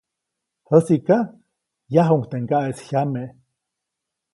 Jäsiʼka, yajuʼuŋ teʼ ŋgaʼeʼis jyame.